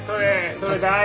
それ大事！